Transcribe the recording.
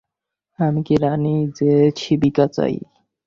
আমি কি রাণী যে শিবিকা চাই।